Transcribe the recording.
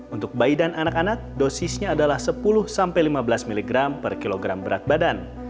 untuk bayi dan anak anak dosisnya adalah sepuluh sampai lima belas mg per kilogram berat badan